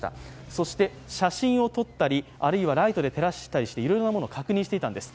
そして写真を撮ったり、あるいはライトで照らしたりしていろいろなものを確認していたんです。